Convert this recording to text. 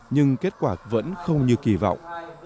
nhưng kết quả vẫn không như kỳ vọng